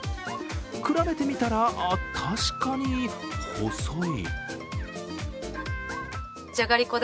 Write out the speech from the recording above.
比べてみたら、確かに細い。